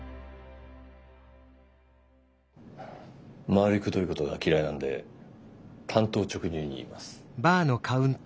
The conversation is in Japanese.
回りくどいことが嫌いなんで単刀直入に言います。